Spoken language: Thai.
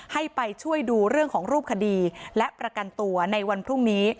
ให้ไปช่วยดูเรื่องของรูปคดีและประกันตัวในวันพรุ่งนี้